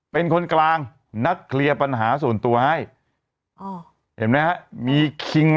เป็นคนกลางนัดเคลียร์ปัญหาส่วนตัวให้เห็นไหมฮะมีคิง